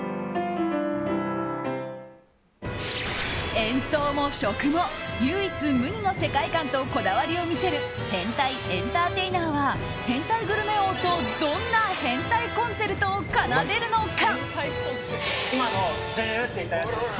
演奏も食も唯一無二の世界観とこだわりを見せる変態エンターテイナーは変態グルメ王とどんな変態コンツェルトを奏でるのか。